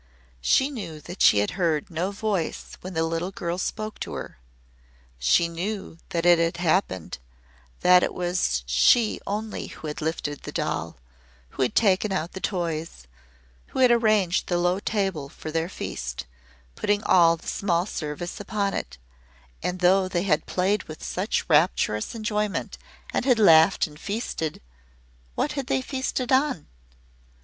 She knew that she had heard no voice when the little girl spoke to her she knew that it had happened, that it was she only who had lifted the doll who had taken out the toys who had arranged the low table for their feast, putting all the small service upon it and though they had played with such rapturous enjoyment and had laughed and feasted what had they feasted on?